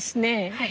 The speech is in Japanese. はい！